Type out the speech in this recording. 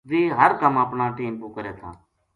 ویہ ہر کَم اپنا ٹیم پو کرے تھا